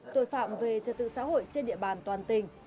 tội phạm về trật tự xã hội trên địa bàn toàn tỉnh